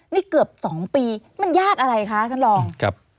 นี่เกือบ๒ปีมันยากอะไรคะท่านรอง